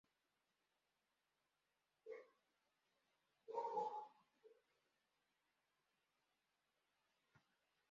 Mike se quedó con el puesto y se mudó a Los Ángeles.